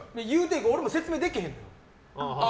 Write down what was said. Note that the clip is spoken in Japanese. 俺も説明できへん。